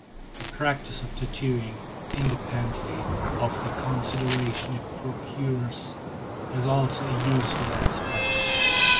The practice of tattooing, independently of the consideration it procures, has also a useful aspect.